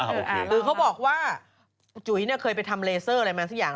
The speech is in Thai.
คือเขาบอกว่าจุ๋ยเนี่ยเคยไปทำเลเซอร์อะไรมาสักอย่าง